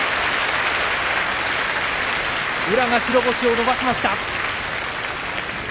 宇良が白星を伸ばしました。